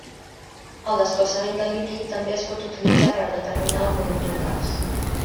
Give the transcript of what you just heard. El desplaçament de líquid també es pot utilitzar per determinar el volum d'un gas.